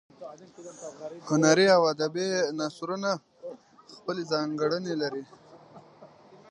هنري او ادبي نثرونه خپلې ځانګړنې لري.